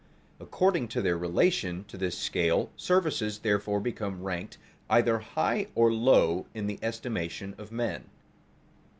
According to their relation to this scale services therefore become ranked either high or low in the estimation of men.